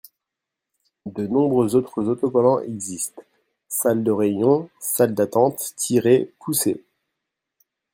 De nombreux autres autocollants existent : salle de réunion, salle d’attente, tirez / poussez...